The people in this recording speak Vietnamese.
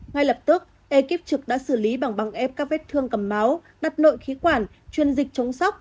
ngay lập tức ekip trực đã xử lý bằng băng ép các vết thương cầm máu đặt nội khí quản chuyên dịch chống sốc